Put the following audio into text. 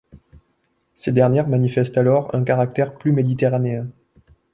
Ces dernières manifestent alors un caractère plus méditerranéen.